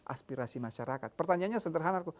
aspirasi masyarakat pertanyaannya sederhana